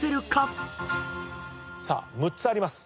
さあ６つあります。